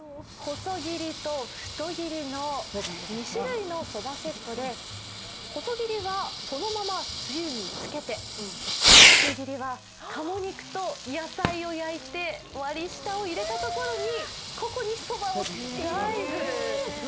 細切りと太切りの２種類のそばセットで細切りはそのままつゆにつけて、太切りはかも肉と野菜を焼いて割り下を入れたところに、ここにそばをダイブ。